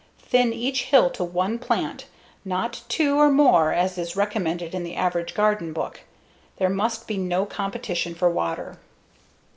Thin each hill to one plant, not two or more as is recommended in the average garden book. There must be no competition for water.